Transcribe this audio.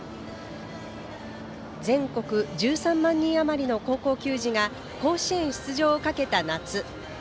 全国１３万人あまりの高校球児が甲子園出場をかけた夏。